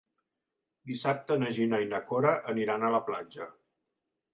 Dissabte na Gina i na Cora aniran a la platja.